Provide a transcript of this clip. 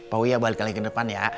pau ya balik lagi ke depan ya